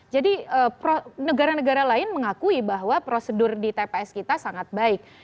jadi negara negara lain mengakui bahwa prosedur di tps kita sangat baik